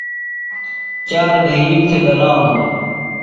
چار گھئیم تھےۡ گلانوۡ۔